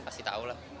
pasti tau lah